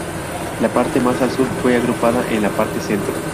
La parte más al sur fue agrupada en la parte Centro.